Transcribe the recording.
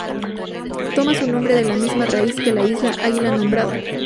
Toma su nombre de la misma raíz que la isla Águila nombrada.